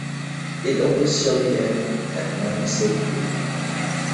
It officially ends at nine thirty.